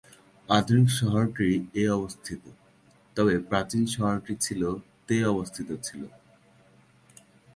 আধুনিক শহরটি এ অবস্থিত, তবে প্রাচীন শহরটি ছিল তে অবস্থিত ছিল।